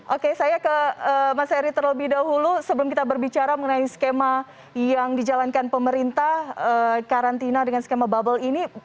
oke saya ke mas heri terlebih dahulu sebelum kita berbicara mengenai skema yang dijalankan pemerintah karantina dengan skema bubble ini